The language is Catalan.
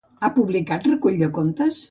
Ha publicat reculls de contes?